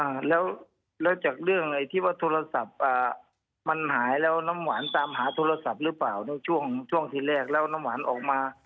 อ่าแล้วแล้วจากเรื่องไอ้ที่ว่าโทรศัพท์อ่ามันหายแล้วน้ำหวานตามหาโทรศัพท์หรือเปล่าในช่วงช่วงที่แรกแล้วน้ำหวานออกมา